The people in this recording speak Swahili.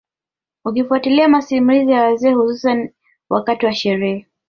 Ukifuatilia masimulizi ya wazee hususani wakati wa sherehe